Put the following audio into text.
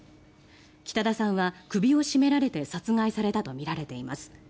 北田さんは首を絞められて殺害されたとみられています。